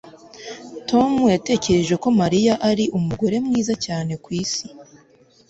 Tom yatekereje ko Mariya ari umugore mwiza cyane kwisi